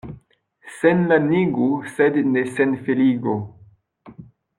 Senlanigu, sed ne senfeligu.